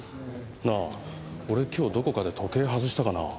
なあ俺今日どこかで時計外したかな？